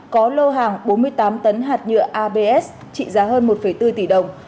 có lô hàng bốn mươi tám tấn hạt nhựa abs trị giá hơn một bốn tỷ đồng